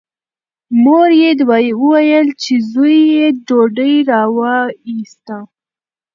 مور یې وویل چې زوی یې ډوډۍ راوایسته.